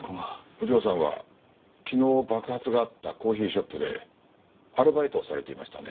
お嬢さんは昨日爆発があったコーヒーショップでアルバイトをされていましたね。